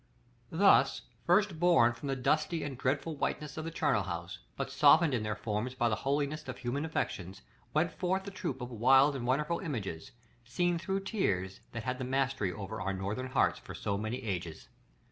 § LXVI. Thus, first born from the dusty and dreadful whiteness of the charnel house, but softened in their forms by the holiest of human affections, went forth the troop of wild and wonderful images, seen through tears, that had the mastery over our Northern hearts for so many ages.